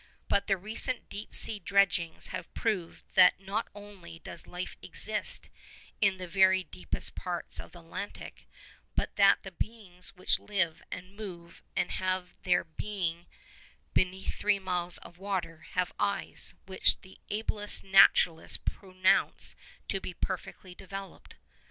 But the recent deep sea dredgings have proved that not only does life exist in the very deepest parts of the Atlantic, but that the beings which live and move and have their being beneath three miles of water have eyes which the ablest naturalists pronounce to be perfectly developed.